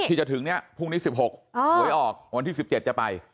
ที่จะถึงเนี่ยพรุ่งนี้๑๖หวยออกวันที่๑๗จะไป